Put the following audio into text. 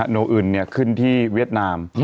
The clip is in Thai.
โนอื่นขึ้นที่เวียดนาม